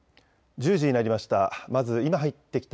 １０時になりました。